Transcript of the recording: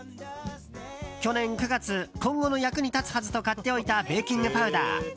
去年９月今後の役に立つはずと買っておいたベーキングパウダー。